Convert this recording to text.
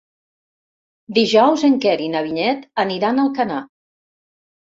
Dijous en Quer i na Vinyet aniran a Alcanar.